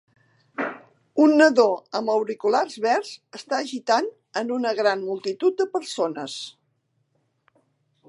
Un nadó amb auriculars verds està agitant en una gran multitud de persones.